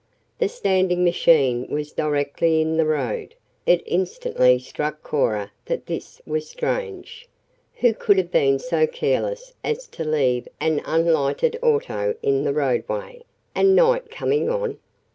The standing machine was directly in the road; it instantly struck Cora that this was strange. Who could have been so careless as to leave an unlighted auto in the roadway, and night coming on?